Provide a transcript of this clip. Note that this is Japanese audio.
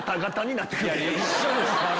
一緒です。